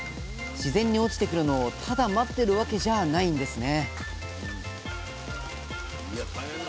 自然に落ちてくるのをただ待ってるわけじゃないんですね